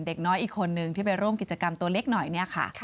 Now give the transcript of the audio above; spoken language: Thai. เด็กน้อยอีกคนนึงที่ไปร่วมกิจกรรมตัวเล็กหน่อยเนี่ยค่ะ